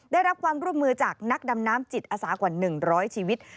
ได้รับความร่วมมือจากนักดำน้ำจิตอาสากว่า๑๐๐ชีวิต